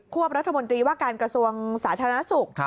วบรัฐมนตรีว่าการกระทรวงสาธารณสุข